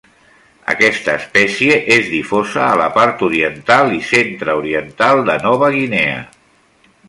Aquesta espècie és difosa a la part oriental i centre-oriental de Nova Guinea.